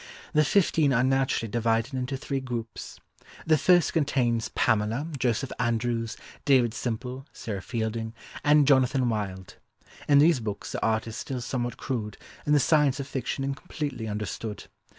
The fifteen are naturally divided into three groups. The first contains Pamela, Joseph Andrews, David Simple (Sarah Fielding) and Jonathan Wild. In these books the art is still somewhat crude, and the science of fiction incompletely understood.